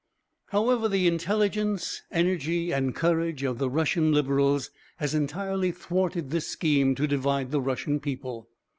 However, the intelligence, energy, and courage of the Russian Liberals has entirely thwarted this scheme to divide the Russian people.